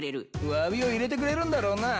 わびを入れてくれるんだろうな？